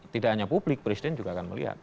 tidak hanya publik presiden juga akan melihat